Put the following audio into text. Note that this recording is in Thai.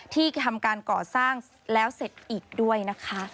ที่ทำการก่อสร้างแล้วเสร็จอีกด้วยนะคะ